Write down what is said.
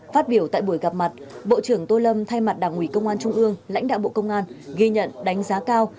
phát biểu tại buổi gặp mặt bộ trưởng tô lâm thay mặt đảng ủy công an trung ương lãnh đạo bộ công an ghi nhận đánh giá cao